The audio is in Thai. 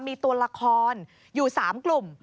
มีตัวละครอยู่๓กลุ่ม